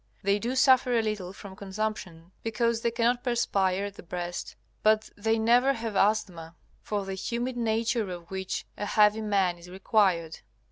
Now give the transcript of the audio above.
They do suffer a little from consumption, because they cannot perspire at the breast, but they never have asthma, for the humid nature of which a heavy man is required.